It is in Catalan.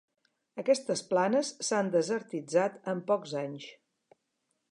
Aquestes planes s'han desertitzat en pocs anys.